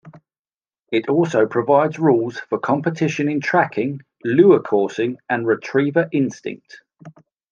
It also provides rules for competition in tracking, lure coursing, and retriever instinct.